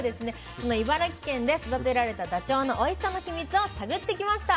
その茨城県で育てられたダチョウのおいしさの秘密を探ってきました。